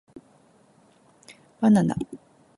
ばなな